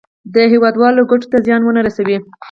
د هېوادوالو ګټو ته زیان ونه رسوي.